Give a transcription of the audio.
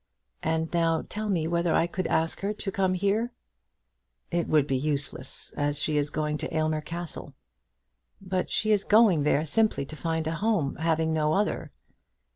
And now tell me whether I could ask her to come here." "It would be useless, as she is going to Aylmer Castle." "But she is going there simply to find a home, having no other."